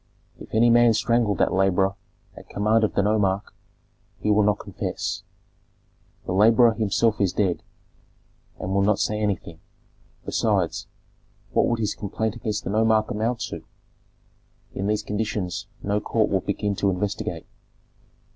If any man strangled that laborer at command of the nomarch, he will not confess; the laborer himself is dead, and will not say anything; besides, what would his complaint against the nomarch amount to? In these conditions no court would begin to investigate."